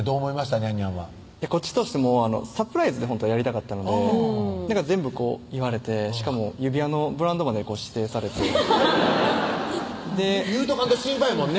にゃんにゃんはこっちとしてもサプライズでほんとはやりたかったので全部言われてしかも指輪のブランドまで指定されて言うとかんと心配やもんね